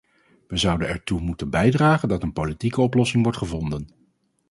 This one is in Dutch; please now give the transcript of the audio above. Wij zouden ertoe moeten bijdragen dat een politieke oplossing wordt gevonden.